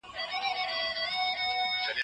غلا د ټولنې لویه بدبختي ده.